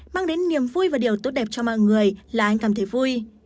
mang đến niềm vui và điều tốt đẹp cho mọi người là anh cảm thấy vui